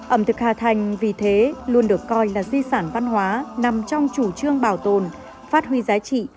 ẩm thực hà thành vì thế luôn được coi là di sản văn hóa nằm trong chủ trương bảo tồn phát huy giá trị